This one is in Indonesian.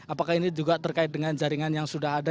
apakah ini juga terkait dengan jaringan yang sudah ada